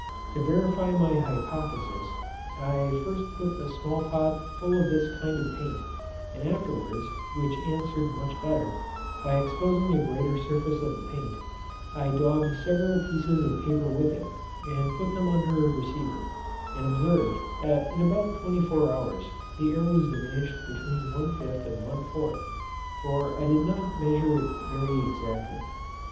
To verify my hypothesis, I first put a small pot full of this kind of paint, and afterwards (which answered much better, by exposing a greater surface of the paint) I daubed several pieces of paper with it, and put them under a receiver, and observed, that in about twenty four hours, the air was diminished between one fifth and one fourth, for I did not measure it very exactly.